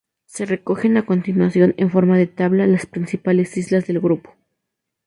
Se recogen a continuación, en forma de tabla, las principales islas del grupo.